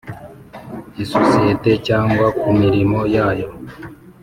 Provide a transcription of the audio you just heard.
isosiyete cyangwa ku mirimo yayo